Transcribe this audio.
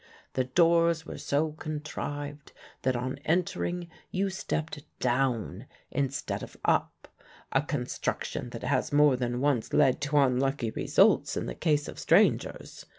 The doors were so contrived that on entering you stepped down instead of up a construction that has more than once led to unlucky results in the case of strangers.